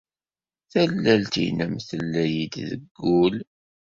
Tallalt-nnem tella-iyi-d deg wul.